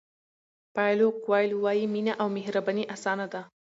پایلو کویلو وایي مینه او مهرباني اسانه ده.